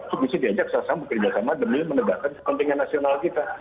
supresi diajak sasaran bekerjasama demi menegakkan kepentingan nasional kita